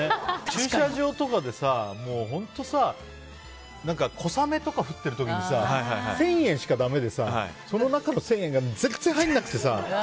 駐車場とかで本当に小雨とか降ってる時に１０００円しかだめでその中の１０００円が全然入らなくてさ。